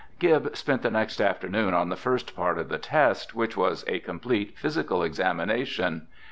Gib spent the next afternoon on the first part of the test, which was a complete physical examination.